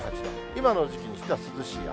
今の時期にしては涼しい朝。